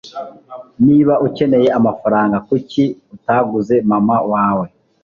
Niba ukeneye amafaranga, kuki utaguza mama wawe?